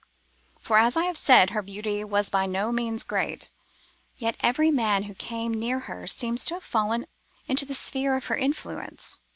For, as I have said, her beauty was by no means great; yet every man who came near her seems to have fallen into the sphere of her influence.